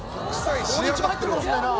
これ一番入ってるかもしれないな